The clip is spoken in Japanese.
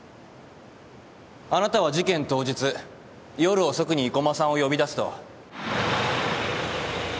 あなたは事件当日夜遅くに生駒さんを呼び出すと。